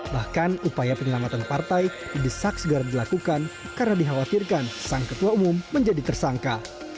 bahkan upaya penyelamatan partai didesak segar dilakukan karena dikhawatirkan sang ketua umum menjadi tersangka